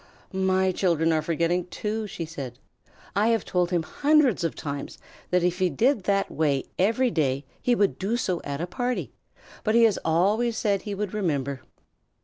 "My children are forgetting too," she said. "I have told him hundreds of times that if he did that way every day he would do so at a party, but he has always said he would remember."